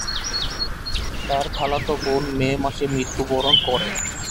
তার খালাতো বোন মে মাসে মৃত্যুবরণ করে।